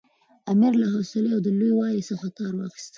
امیر له حوصلې او لوی والي څخه کار واخیست.